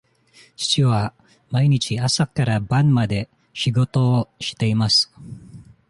父は毎日朝から晩まで仕事をしています。